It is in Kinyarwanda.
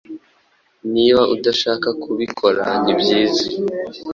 Niba udashaka kubikora, nibyiza.